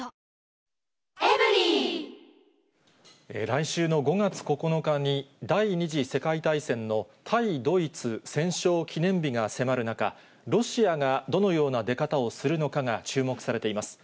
来週の５月９日に、第２次世界大戦の対ドイツ戦勝記念日が迫る中、ロシアがどのような出方をするのかが注目されています。